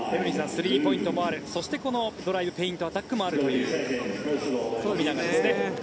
スリーポイントもあるそしてこのドライブフェイントアタックもあるというところですね。